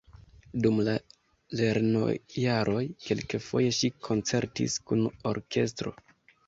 Dum la lernojaroj kelkfoje ŝi koncertis kun orkestro.